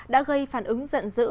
đã gây phản ứng giận dữ